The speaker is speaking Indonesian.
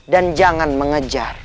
dan jangan mengejar